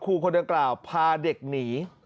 ครูคนเกล่าพาเด็กหนี